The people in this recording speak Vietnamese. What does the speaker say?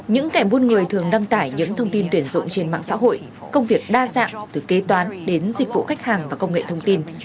những kẻ buôn người thường đăng tải những thông tin tuyển dụng trên mạng xã hội công việc đa dạng từ kế toán đến dịch vụ khách hàng và công nghệ thông tin